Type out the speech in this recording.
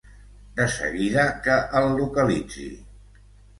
De seguida que el localitzi.